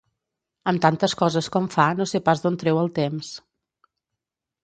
Amb tantes coses com fa, no sé pas d'on treu el temps.